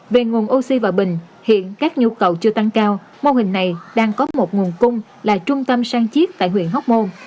về nguồn oxy và bình hiện các nhu cầu chưa tăng cao mô hình này đang có một nguồn cung là trung tâm sang chiếc tại huyện hóc môn